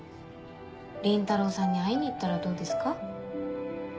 倫太郎さんに会いに行ったらどうですか？